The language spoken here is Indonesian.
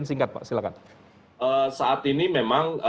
saat ini memang